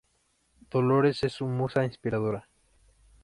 Dolores es su musa inspiradora.